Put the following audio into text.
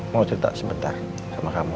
mau cerita sebentar sama kamu